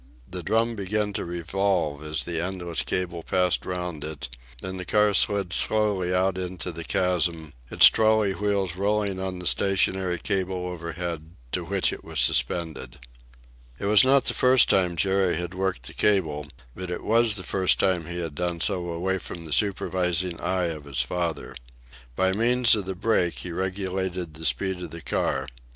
The drum began to revolve as the endless cable passed round it, and the car slid slowly out into the chasm, its trolley wheels rolling on the stationary cable overhead, to which it was suspended. It was not the first time Jerry had worked the cable, but it was the first time he had done so away from the supervising eye of his father. By means of the brake he regulated the speed of the car.